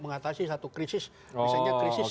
mengatasi satu krisis misalnya krisis